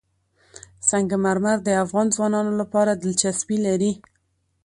سنگ مرمر د افغان ځوانانو لپاره دلچسپي لري.